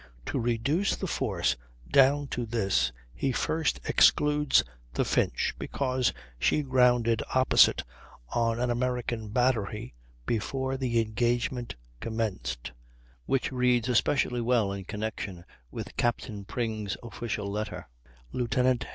To reduce the force down to this, he first excludes the Finch, because she "grounded opposite an American battery before the engagement commenced," which reads especially well in connection with Capt. Pring's official letter: "Lieut.